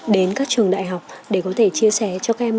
đến các trường đại học để có thể chia sẻ cho các em